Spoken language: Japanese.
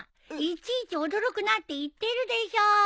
いちいち驚くなって言ってるでしょ。